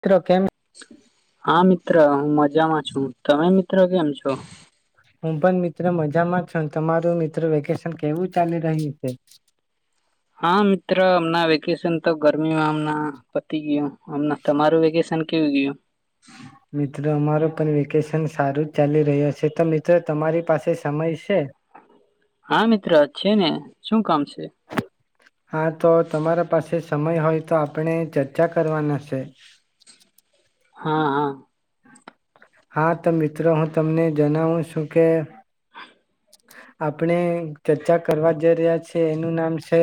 મિત્રો કેમ ત્રહમત. મજામાં છું. તમે મિત્રો કેમ છો? હું પણ મિત્ર મજામાં છો. તમારું મિત્ર વેકેશન કેવું ચાલી રહ્યું છે? હા મિત્ર, હમના વેકેશન તો ગરમીમાં, હમ પતી ગયો. [unintelligible] તમારું વેકેશન કેવું ગયું? મિત્રો અમારો પણ વેકેશન સારું જ ચાલી રહ્યો છે, તો મિત્રો તમારી પાસે સમય છે? હા મિત્ર છે ને, શું કામ છે? હા તો તમારા પાસે સમય હોય તો, આપણે ચર્ચા કરવાના છે. હા હા. હા તો મિત્રો હું તમને જણાવું છું કે આપણે ચર્ચા કરવા જઈ રહ્યા છીએ એનું નામ છે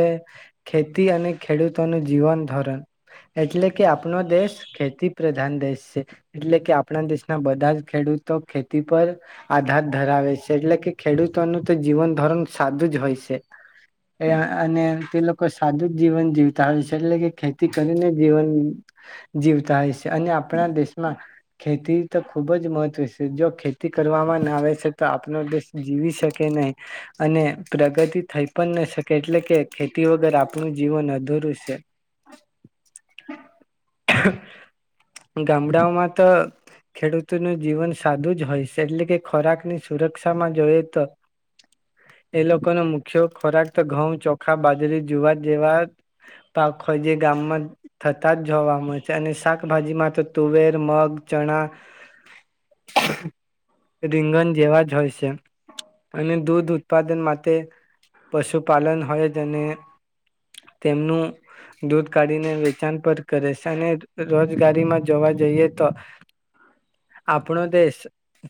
ખેતી અને ખેડૂતોનું જીવન ધર્મ. એટલે કે આપણો દેશ ખેતી પ્રધાન દેશ છે. એટલે કે આપણા દેશના બધા જ ખેડૂતો ખેતી પર આધાર ધરાવે છે એટલે કે ખેડૂતોનું તો જીવન ધોરણ સાદું જ હોય છે, અને તે લોકો સાદું જ જીવન જીવતા હોય છે. એટલે કે ખેતી કરીને જીવન જીવતા હોય છે અને આપણા દેશમાં ખેતી તો ખૂબ જ મહત્વ છે, જો ખેતી કરવામાં ના આવે છે તો આપણ દેશ જીવી શકે નહી. અને પ્રગતિ થઈ પણ ન શકે એટલે કે ખેતી વગર આપણું જીવન અધૂરું છે. ગામડાઓમાં તો ખેડૂતોનું જીવન સાદું જ હોય છે. એટલે કે ખોરાકની સુરક્ષામાં જોઈ તો એ લોકોનો મુખ્ય ખોરાક તો ઘઉં ચોખા બાજરી જુવાર જેવા પાક હો જે ગામમાં થતા જ જોવા મળે છે અને શાકભાજીમાં તો તુવેર મગ ચણા રીંગન જેવા જ હોય છે. અને દૂધ ઉત્પાદન માટે પશુપાલન હોય જ અને તેમનું દૂધ કાઢીને વેચાણ પણ કરે છે અને રોજગારીમાં જોવા જઈએ તો આપણો દેશ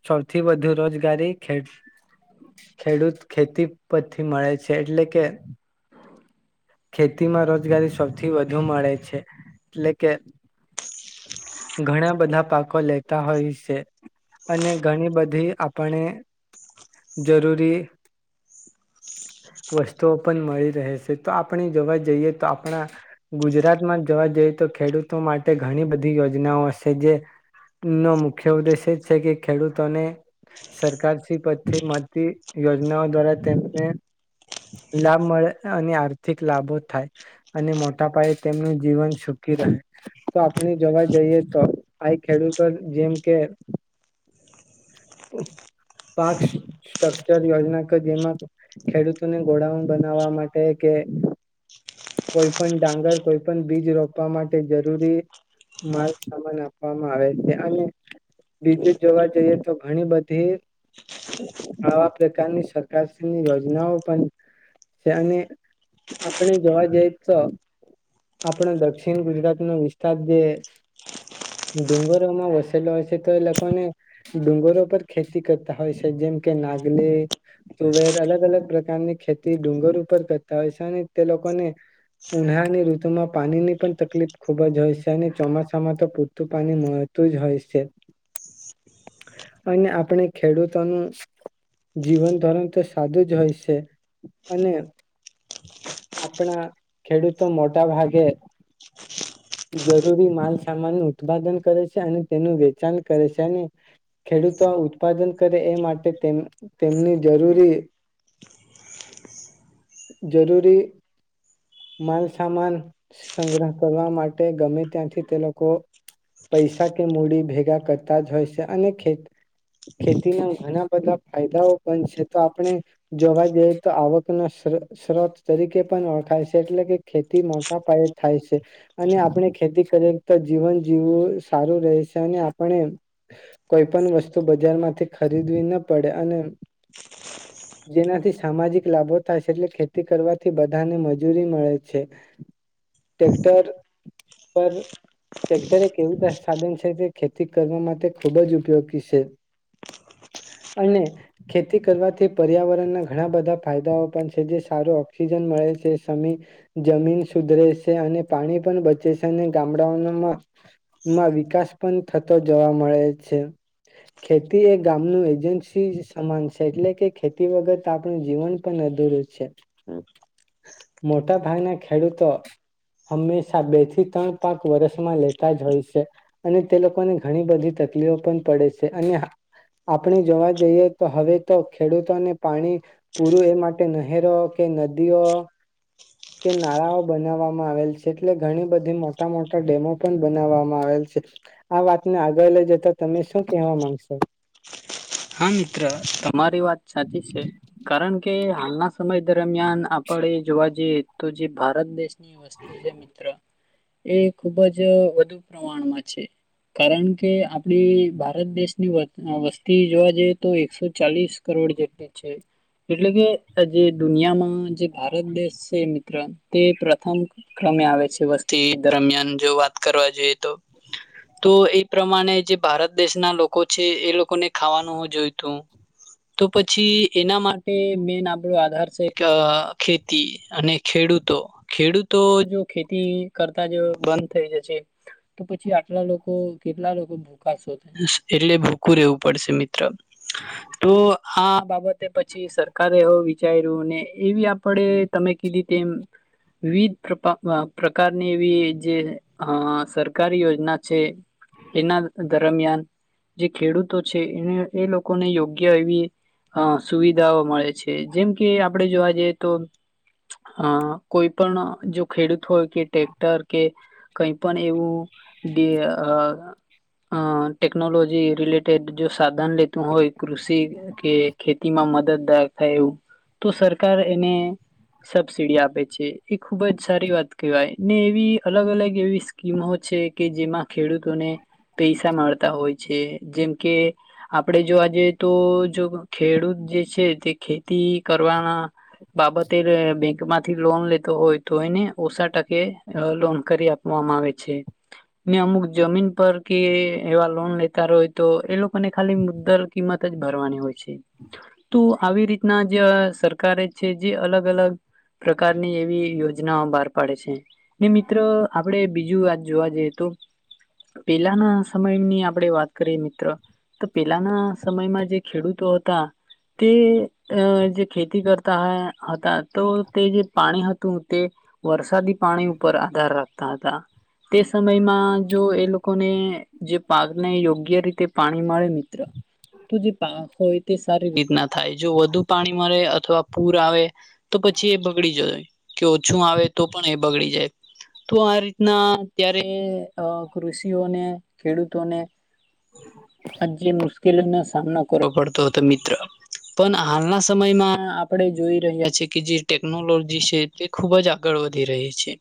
સૌથી વધુ રોજગારીે ખેડૂત ખેતી પરથી મળે છે. એટલે કે ખેતીમાં રોજગારી સૌથી વધુ મળે છે. એટલે કે ઘણા બધા પાક [unintelligible] લેતા હોય છે. અને ઘણી બધી આપણે જરૂરી વસ્તુઓ પણ મળી રહે છે. તો આપણે જોવા જઈએ તો આપણા ગુજરાતમાં જોવા જઈએ તો ખેડૂતો માટે ઘણી બધી યોજનાઓ હશે જેનો મુખ્ય ઉદ્દેશ એ છે કે ખેડૂતોને સરકાર શ પરી મળતી યોજનાઓ દ્વારા તેમને લાભ મળે અને આર્થિક લાભો થાય અને મોટા પાયે તેમનું જીવન સુખી રહે તો આપણે જોવા જઈએ તો આ ખેડૂતો જેમ કે પાક સ્ટકચર યોજના જેમાં ખેડૂતોને ગોળઉન બનાવવા માટે કે કોઈ પણ ડાંગર કોઈ પણ બીજ રોપવા માટે જરૂરી માલ સામાન આપવામાં આવે છે. અને બીજું જોવા જઈએ તો ઘણી બધી આવા પ્રકારની સરકારની યોજનાઓ પણ છે અને આપણે જોવા જઈ તો આપણાો દક્ષિણ ગુજરાત નો વિસ્તાર જે ડુંગરોમાં વસેલો હોય છે તો એ લોકોને ડુંગરો પર ખેતી કરતા હોય છે જેમ કે નાગલી, તુવેર અલગ અલગ પ્રકારની ખેતી ડુંગર ઉપર [unintelligible] ને તે લોકોને ઉનાળની ઋતુમાં પાણી ની પણ તકલીફ ખુબ જ હોય છે અને ચોમાસામાં તો પૂરતું પાણી મળતું જ હોય છે [inaudible] અને આપણે ખેડૂતોનું જીવન ધોરણ તો સાદું જ હોય છે અને આપણા ખેડૂતો મોટા ભાગે જરૂરી માલસામાન ઉત્પાદન કરે છે અને તેનું વેચાણ કરે છે અને ખેડૂતો ઉત્પાદન કરે એ માટે તેમ તેમની જરૂરી જરૂરી માલસામાન સંગ્રહ કરવા માટે ગમે ત્યાંથી તે લોકો પૈસા કે મૂડી ભેગા કરતા જ હોય છે અને ખે ખેતીના ઘણા બધા ફાયદાઓ પણ છે તો આપણે જોવા જઈએ તો આવક [unintelligible] ત્રોત તરીકે પણ ઓળખાય છે એટલે કે ખેતી મોટા પાયે થાય છે અને આપણે ખેતી કરીએ તો જીવન જીવવું સારું રહે છે અને આપણે કોઈ પણ વસ્તુ બજારમાંથી ખરીદવી ના પડે અને જેનાથી સામાજિક લાભો થાય છે એટલે ખેતી કરવાથી બધાને મજૂરી મળે છે. ટેક્ટર પર ટેક્ટર એક એવું સાધન છે જે ખેતી કરવા માટે ખુબ જ ઉપયોગી છે અને ખેતી કરવાથી પર્યાવરણના ઘણા બધા ફાયદાઓ [unintelligible] જે સારું ઓક્સિજન મળે છે જમીન સુધરે છે અને પાણી પણ બચે છે અને ગામડાઓમાંમાં વિકાસ પણ થતો જોવા મળે છે. ખેતી એ ગામનું એજન્સી સમાન છે એટલે કે ખેતી વગત આપણું જીવન પણ અધૂરું છે. મોટા ભાગના ખેડૂતો હંમેશા બે થી ત્રણ પાક વરષમાં લેતા જ હોય છે અને તે લોકોને ઘણી બધી તકલીફો પણ પડે છે અને આપણે જોવા જઈએ તો હવે તો ખેડૂતોને પાણી પૂરું એ માટે નહેરો કે નદીઓ કે નાળાઓ બનાવવામાં આવેલ છે એટલે ઘણી બધી મોટા મોટા ડેમો પણ બનાવવામાં આવેલ છે આ વાતને આગળ લઈ જતા તમે શું કેહેવા માંગશો? હા મિત્ર તમારી વાત સાચી છે કારણ કે કે હાલના સમય દરમિયાન આપડે જોવા જઈએ તો જે ભારત દેશ ની વસ્તી છે મિત્ર. એ ખુબ જ વધુ પ્રમાણમાં છે કારણ કે આપડી ભારત દેશની વ વસ્થા [unintelligible] જોવા જઈએ તો એકસો ચાલીસ કરોડ જેટલી છે એટલે કે જે દુનિયામાં જે ભારત દેશ છે મિત્ર તે પ્રથમ ક્રમે આવે છે વસ્તી દરમિયાન જો વાત કરવા જોઈએ તો તો એ પ્રમાણે જે ભારત દેશના લોકો છે એ લોકોને ખાવાનું હ જોયતું તો પછી એના માટે મેન આપણો આધાર છે ખેતી અને ખેડૂતો. ખેડૂતો જો ખેતી કરતા જ બંધ થઈ જશે તો પછી આટલા લોકો કેટલા લોકો ભુકા શો એટલે ભૂકું રહેેવું પડેશે મી ત્ર તો હા આ બાબતે પછી સરકારે હ વિચાર્યું ને એવી આપડે તમે કીધી તેમ વિવિધ પ્રકારની એવી જે સરકારી યોજના છે એના દરમિયાન જે ખેડૂત તો છે એ એ લોકોને યોગ્ય એવી અ સુવિધાઓ મળે છે. છે. જેમ કે આપડે જોવા અતો કોઈ પણ જો ખેડૂત હોય કે ટટેક્ટર કે કઈ પણ એવું કે અ અ ટેકનોલોજી રિલેટ ટે ટ જો સાધન લેતું હોય કૃષિ કે ખેતીમાં મદદદાર થાય એવું તો સરકાર એને સબસીિડી આપે છે એ ખુબ જ સારી વાત કહેવાય ને એવી અલગ અલગ એવી સ્કીમો છે કે જેમાં ખેડૂતોને પૈસા મળતા હોય છે જેમ કે આપડે જો આજે તો જો ખેડૂત જે છે તે તી કરવાના બાબતે બેંક માંથી લોન લેતો હોય તો એને ઓછા ટકે લોન કરી આપવામાં આવે છે ને અમુક જમીન પર કે એવા લોન લેતા હોય. તો એ લોકોને ખાલી મુદદર કિંમત જ ભરવાની હોય છે. તો આવી રીતના જે સરકારે છે જે અલગ અલગ પ્રકારની એવી યોજ ના ઓ બહાર પાડે છે ને મિત્રો આપણે બીજું વાત જોવા જઈએ તો પેલાના સમયની આપણે વાત કરી મિત્ર તો પેલાના સમયમાં જે ખેડૂતો હતા તે જે ખેતી કરતા હતા. તો તે જે પાણી હતું તે વરસાદી પાણી ઉપર આધાર રાખતા હતા તે સમયમાં જો એ લોકોને જે પાકને યોગ્ય યોગ્ય રીતે પાણી મળે મિત્ર તો જે પાક હોય તે સારી રીતના થાય જો વધુ પાણી મળે અથવા પૂર આવે તો પછી એ બગડી જ કે ઓછું આવે તો પણ એ બગડી જાય તો આ રીતના ત્યારે કૃુષિઓને ખેડૂતોને હજે મુશ્કેલીનો સામનો કરવો પડ તો તો મિત્ર પણ હાલના સમયમાં આપણે જોઈ રહ્યા છી કે જે ટેકનોલોજી છે તે ખૂબ જ આગળ વધી રહી છે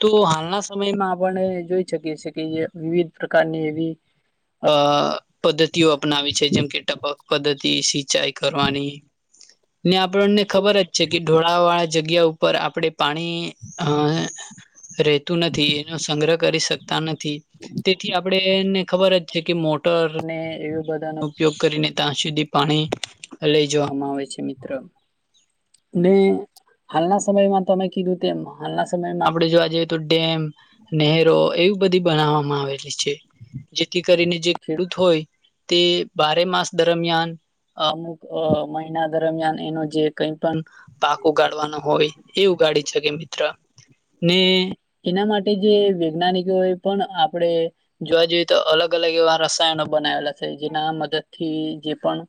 તો હાલના સમયમાં આપણે જોઈ શકીએ છીએ કે જે વિવિધ પ્રકારની એવી અ પદ્ધતિઓ અપનાવી છે જેમ કે ટપક પદ્ધતિ સિંચાઈ કરવાની ને આપણને ખબર જ છે કે ઢોળા વાળા જગ્યા ઉપર આપણે પાણી અ રહેતું નથી એનો સંગ્રહ કરી શકતા નથી તેથી આપણેેને ખબર જ છે કે મોટરને એ બધાનો ઉપયોગ કરીને ત્યાં સુધી પાણી લઈ જવામાં આવે છે મિત્ર ને હાલના સ સમયમાં તમે કીધું તેમ હાલના સમયમાં આપડે જોવા જઈએ તો ડેમ નહેરો એવી બધી બનાવવામાં આવેલી છે જેથી કરીને જે ખેડૂત હોય તે બારે માસ દરમિયાન અમુક મહિના દરમિયાન એનો જે કઈ પણ પાક ઉગાડવાનો હોય એ ઉગાડી શકે મિત્ર ને એના માટે જે વૈજ્ઞાનિકો એ પણ આપણે જોવા જઈએ અલગ અલગ એવા રસાયણ બનાવેલા છે જેના મદદ થી જે પણ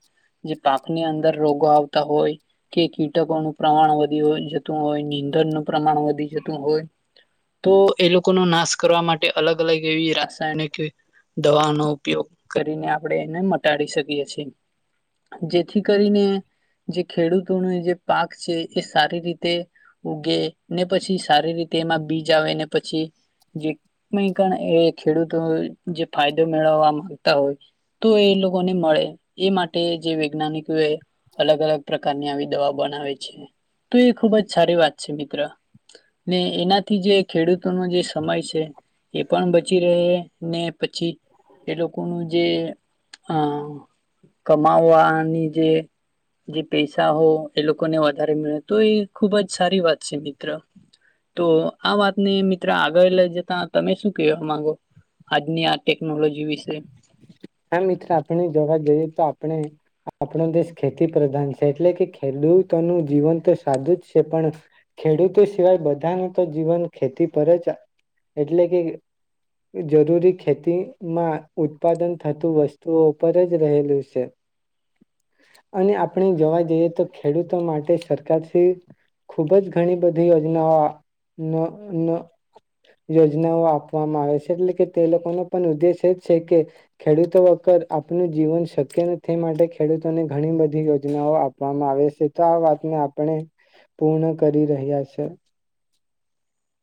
જે પાકની અંદર રોગો આવતા હોય કે કીટકો ઓનું પ્રમાણ વધી જતું હોય નીંધણનું પ્રમાણ વધી જતું હોય તો એ લોકોનો નાશ કરવા માટે અલગ અલગ એવી રાસાયણિક દવાનો ઉપયોગ કરીને આપણે એને મટાડી શકીએ છીએ જેથી કરીને જે ખેડૂતોનો જે પાક છે એ સારી રીતે ઉગે ને પછી સારી રીતે એમાં બીજ આવે ને પછી જે કઈ પણ એ ખેડૂતો જે ફાયદો મેળવવા માંગતા હોય તો એ લોકો ને મળે એ માટે જે વૈજ્ઞાનિકો એ અલગ અલગ પ્રકારની આવી દવા બનાવે છે તો એ ખુબ જ સારી વાત છે મિત્ર ને એનાથી જે ખેડૂતો ન જે સમય છે. એ પણ બચી રહે ને એ લોકો નુજે જે આ કમાવાની જે જે પૈસા હો એ લોકોને વધારે મે તો એ ખુબ જ સારી વાત છે મિત્ર તો આ વાતને મિત્ર આગળ લઈ જતા તમે શું કેહેવા માંગો ની આ ટેકનોલોજી વિશે હા, મિત્ર આપણે દવા જોઈએ તો આપડે આપણો દેશ ખેતી પ્રધાન છે, એટલે કે ખેડૂતોનું જીવન તો સાદું જ છે, પણ ખેડૂતો સિવાય બધાનું તો જીવન ખેતી પર જ છા, એટલે કે જરૂરી ખેતીમાં ઉત્પાદન થતું વસ્તુઓ ઉપર જ રહેલું સે, અને આપણે જોવા જઈએ તો ખેડૂતો માટે સરકારશ્રી ખુબ જ ઘણી બધી યોજનાઓ આ ન ન યોજનાઓ આપવામાં આવે સે, એટલે કે તે લોકોનો પણ ઉદ્દેશ એ જ છે કે ખેડૂતો વગર આપનું જીવન શક્ય નથી. માટે ખેડૂતોને ઘણી બધી યોજનાઓ આપવામાં આવે સે, તો આ વાતને આપણે પૂર્ણ કરી રહ્યા છે.